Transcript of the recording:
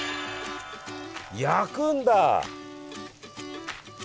焼くんだ！